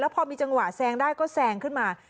พอมีจังหวะแซงได้ก็แซงขึ้นมา